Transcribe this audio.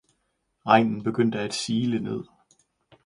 Regnen begyndte at sile ned.